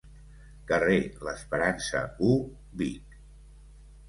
Carrer l'Esperança, u, Vic.